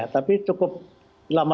tapi cukup lama